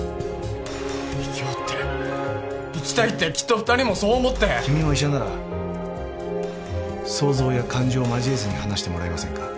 生きようって生きたいってきっと二人もそう思って君も医者なら想像や感情を交えず話してもらえませんか？